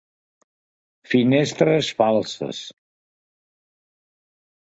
Finestres falses.